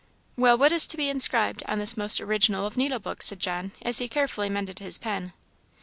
"Well, what is to be inscribed on this most original of needlebooks?" said John, as he carefully mended his pen.